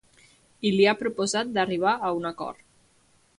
I li ha proposat d’arribar a un acord.